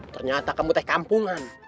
ternyata kamu teh kampungan